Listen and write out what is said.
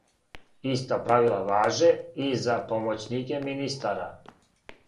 Иста правила важе и за помоћнике министара.